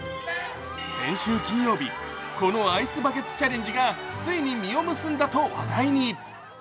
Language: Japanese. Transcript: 先週金曜日、このアイスバケツチャレンジがついに実を結んだと話題に。